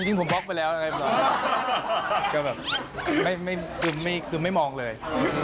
จริงผมบล็อกไปแล้วคือไม่มองเลย